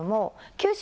九州